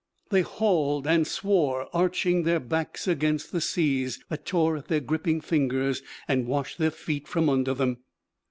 They hauled and swore, arching their backs against the seas that tore at their gripping fingers and washed their feet from under them.